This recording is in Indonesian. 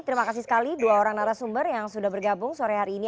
terima kasih sekali dua orang narasumber yang sudah bergabung sore hari ini